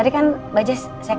kita pulangin yuk